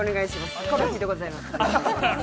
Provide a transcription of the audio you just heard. ヒコロヒーでございます。